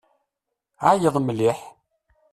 Ɛeyyeḍ mliḥ!